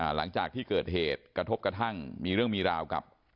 หลังจากที่เกิดเหตุกระทบกระทั่งมีเรื่องมีราวกับ